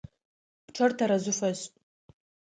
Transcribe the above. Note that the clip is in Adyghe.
Пчъэр тэрэзэу фэшӀ!